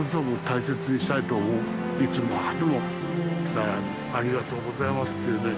だから「ありがとうございます」っていうね